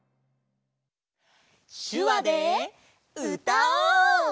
しゅわでうたおう！